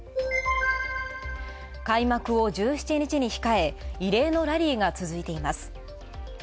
開幕を１７日に控え、異例のラリーが続いています。